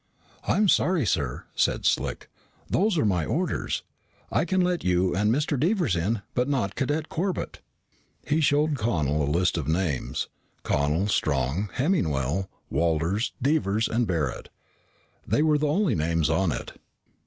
"I'm sorry, sir," said Slick. "Those are my orders. I can let you and Mr. Devers in, but not Cadet Corbett." He showed Connel a list of names: Connel, Strong, Hemmingwell, Walters, Devers, and Barret. They were the only names on it.